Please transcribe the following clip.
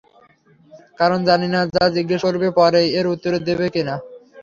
কারণ জানি না, যা জিজ্ঞেস করবে পরে এর উত্তর দেব কি-না?